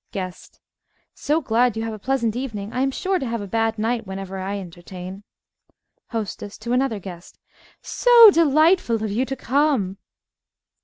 GUEST So glad you have a pleasant evening. I am sure to have a bad night whenever I entertain HOSTESS (to another guest) So delightful of you to come!